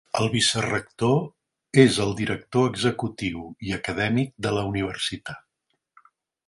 El vicerector és el director executiu i acadèmic de la universitat.